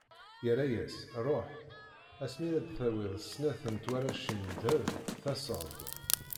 Yerra-as: Ruḥ, ass mi ara d-tawiḍ snat n twaracin n ddheb, taseḍ-d.